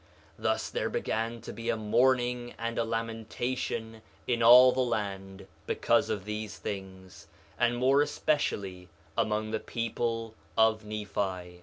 2:11 Thus there began to be a mourning and a lamentation in all the land because of these things, and more especially among the people of Nephi.